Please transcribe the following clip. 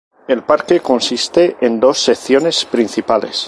El parque consiste en dos secciones principales.